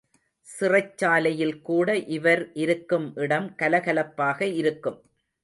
சிறைச்சாலையில் கூட இவர் இருக்கும் இடம் கலகலப்பாக இருக்கும்.